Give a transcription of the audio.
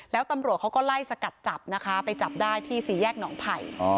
แล้วตำรวจเขาก็ไล่สกัดจับนะคะไปจับได้ที่สี่แยกหนองไผ่